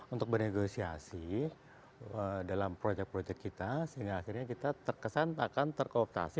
untuk bernegosiasi dalam proyek proyek kita sehingga akhirnya kita terkesan akan terkooptasi